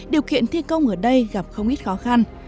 điều kiện thi công ở đây gặp không ít khó khăn